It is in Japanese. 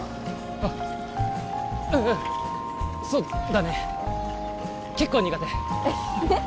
あっうんそうだね結構苦手ええっ